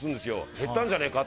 減ったんじゃないか？